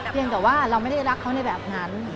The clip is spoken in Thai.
เพียงแต่ว่าเราไม่ได้รักเขาในแบบนั้น